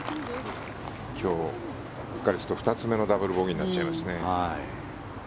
今日２つ目のダブルボギーになっちゃいますね。